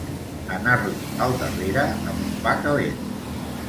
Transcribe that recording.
Anar-li al darrere amb un pa calent.